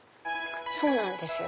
そうなんですよ。